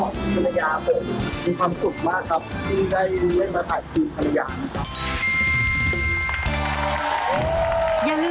มีความสุขมากครับที่ได้รู้เล่นมาถ่ายธุรกิจธรรมยา